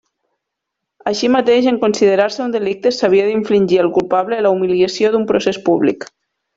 Així mateix en considerar-se un delicte s'havia d'infligir al culpable la humiliació d'un procés públic.